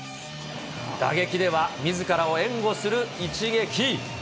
打撃ではみずからを援護する一撃。